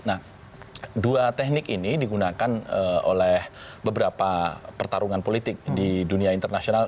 nah dua teknik ini digunakan oleh beberapa pertarungan politik di dunia internasional